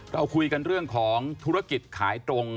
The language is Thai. เราคุยกันเรื่องของธุรกิจขายตรง